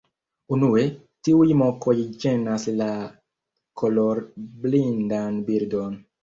Unue, tiuj mokoj ĝenas la kolorblindan birdon.